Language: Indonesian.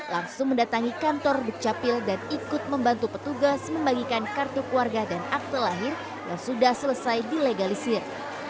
langsung mendatangi kantor dukcapil dan ikut membantu petugas membagikan kartu keluarga dan akte lahir yang sudah selesai dilegalisir